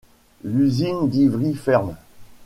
L’usine d’Ivry ferme.